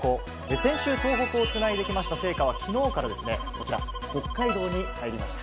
先週、東北をつないできました聖火はきのうからこちら、北海道に入りました。